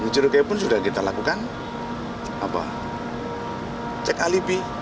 curugai pun sudah kita lakukan cek alibi